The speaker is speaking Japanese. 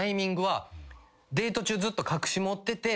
デート中ずっと隠し持ってて最後